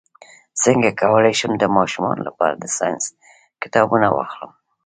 څنګه کولی شم د ماشومانو لپاره د ساینس کتابونه واخلم